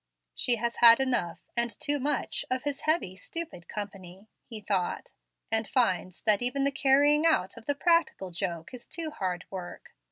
"She has had enough, and too much, of his heavy stupid company," he thought, "and finds that even the carrying out of the practical joke is too hard work.